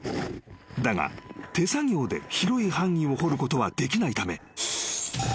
［だが手作業で広い範囲を掘ることはできないため］